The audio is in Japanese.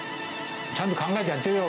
ちゃんと考えてやってるよ！